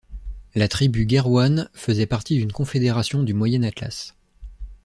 La tribu Guerrouane faisait partie d’une confédération du Moyen-Atlas.